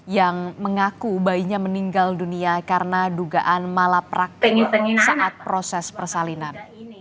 yang mengaku bayinya meninggal dunia karena dugaan malaprakting saat proses persalinan